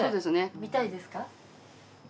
見たいですか？